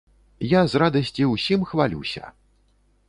Я з радасці ўсім хвалюся.